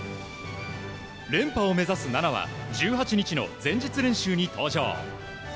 連覇を目指す菜那は１８日の前日練習に登場。